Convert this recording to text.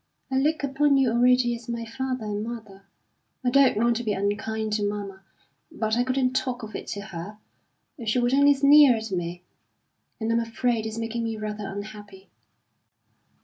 I look upon you already as my father and mother. I don't want to be unkind to mamma, but I couldn't talk of it to her; she would only sneer at me. And I'm afraid it's making me rather unhappy."